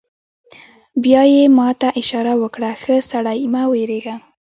بیا یې ما ته اشاره وکړه: ښه سړی، مه وېرېږه.